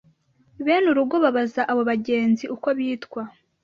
Bene urugo babaza abo bagenzi uko bitwa,